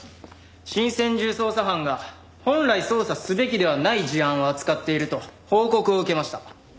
新専従捜査班が本来捜査すべきではない事案を扱っていると報告を受けました。